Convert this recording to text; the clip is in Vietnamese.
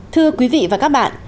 thưa quý vị và các bạn